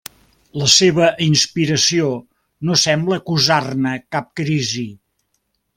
La seva inspiració no sembla acusar-ne cap crisi.